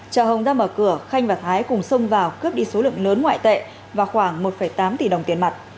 chợ hồng đang mở cửa khanh và thái cùng xông vào cướp đi số lượng lớn ngoại tệ và khoảng một tám tỷ đồng tiền mặt